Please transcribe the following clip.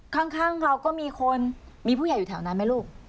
ข้างเราก็มีคนมีผู้ใหญ่อยู่แถวนั้นไหมลูก